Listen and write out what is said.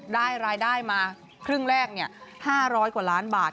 รายได้มาครึ่งแรก๕๐๐กว่าล้านบาท